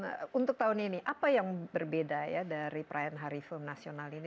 nah untuk tahun ini apa yang berbeda ya dari perayaan hari film nasional ini